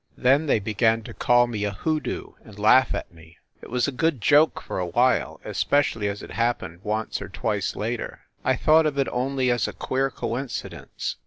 Then they began to call me a hoodoo, and laugh at me. It was a good joke for a while, especially as it hap pened once or twice later. I thought of it only as a queer coincidence.